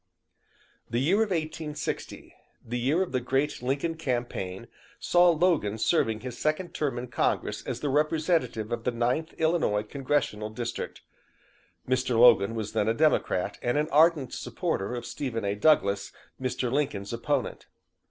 The year of 1860 the year of the great Lincoln campaign saw Logan serving his second term in Congress as the representative of the Ninth Illinois Congressional District. Mr. Logan was then a Democrat and an ardent supporter of Stephen A. Douglas, Mr. Lincoln's opponent.